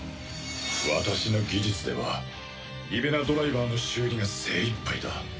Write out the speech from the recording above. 私の技術ではリベラドライバーの修理が精いっぱいだ。